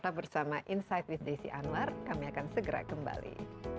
tetap bersama insight with desi anwar kami akan segera kembali